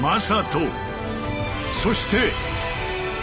そして。